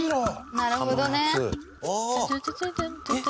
なるほどね。